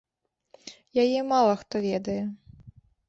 Яе мала хто ведае.